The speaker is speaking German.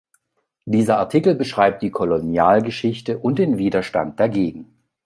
Dieser Artikel beschreibt die Kolonialgeschichte und den Widerstand dagegen.